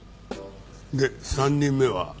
で３人目は？